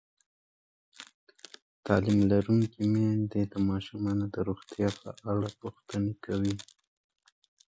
تعلیم لرونکې میندې د ماشومانو د روغتیا په اړه پوښتنې کوي.